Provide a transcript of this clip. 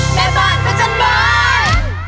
แม่บ้านกระจัดบ้าน